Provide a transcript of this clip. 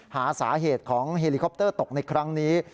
หาสาเหตุของเฮลิคอปเตอร์ตกในครั้งนี้